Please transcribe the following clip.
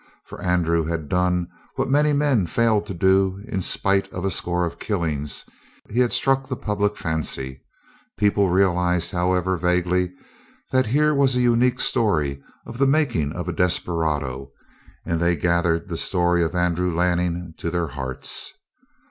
For Andrew had done what many men failed to do in spite of a score of killings he struck the public fancy. People realized, however vaguely, that here was a unique story of the making of a desperado, and they gathered the story of Andrew Lanning to their hearts.